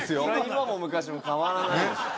今も昔も変わらないでしょ